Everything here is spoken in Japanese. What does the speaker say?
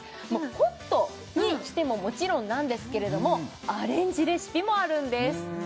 ホットにしてももちろんなんですけれどもアレンジレシピもあるんです